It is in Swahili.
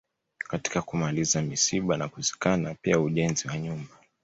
Katika kumaliza misiba na kuzikana pia ujenzi wa nyumba